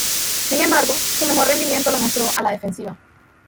Sin embargo, su mejor rendimiento lo mostró a la defensiva.